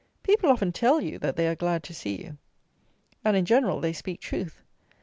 People often tell you, that they are glad to see you; and in general they speak truth.